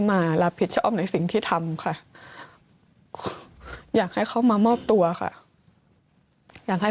มารับผิดชอบในสิ่งที่ทำค่ะอยากให้เขามามอบตัวค่ะอยากให้